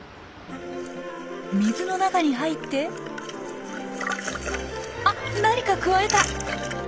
水の中に入ってあ何かくわえた！